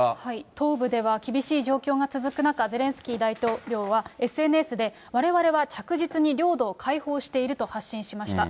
東部では厳しい状況が続く中、ゼレンスキー大統領はＳＮＳで、われわれは着実に領土を解放していると発信しました。